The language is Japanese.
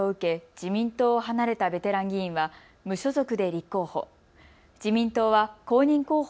自民党を離れたベテラン議員は無所属で立候補。